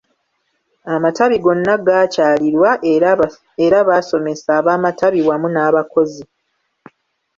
Amatabi gonna gaakyalirwa era baasomesa ab’amatabi wamu n’abakozi.